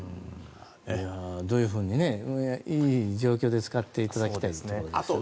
どういうふうにいい状況で使っていただきたいですね。